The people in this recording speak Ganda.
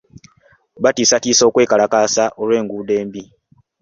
Batiisatiisa okwekalakaasa olw'enguudo embi.